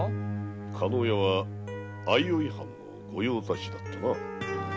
加納屋は相生藩の御用達だったな。